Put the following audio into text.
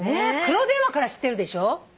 黒電話から知ってるでしょ。